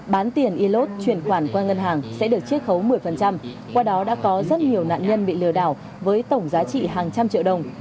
bán tiền ilot chuyển khoản qua ngân hàng sẽ được chiếc khấu một mươi qua đó đã có rất nhiều nạn nhân bị lừa đảo với tổng giá trị hàng trăm triệu đồng